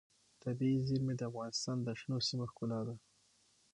طبیعي زیرمې د افغانستان د شنو سیمو ښکلا ده.